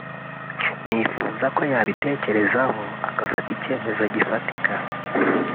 nifuza ko yabitekerezaho agafata icyemezo gifatika”